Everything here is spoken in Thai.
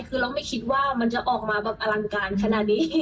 คือเราไม่คิดว่ามันจะออกมาแบบอลังการขนาดนี้